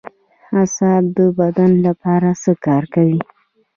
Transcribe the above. اعصاب د بدن لپاره څه کار کوي